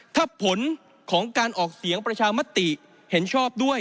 ถ้าผลของการออกเสียงประชามติเห็นชอบด้วย